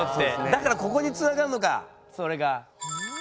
だからここにつながるのかそれが。